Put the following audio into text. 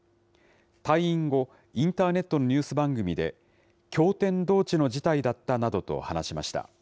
退院後、インターネットのニュース番組で、驚天動地の事態だったなどと話しました。